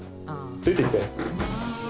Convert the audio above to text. ついてきて。